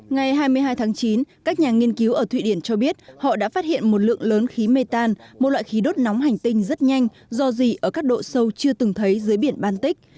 ngày hai mươi hai tháng chín các nhà nghiên cứu ở thụy điển cho biết họ đã phát hiện một lượng lớn khí mê tan một loại khí đốt nóng hành tinh rất nhanh do gì ở các độ sâu chưa từng thấy dưới biển baltic